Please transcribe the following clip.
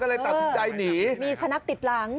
ก็เลยตัดสินใจหนีมีสุนัขติดหลัง